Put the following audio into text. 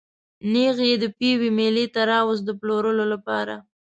نېغ یې د پېوې مېلې ته راوست د پلورلو لپاره.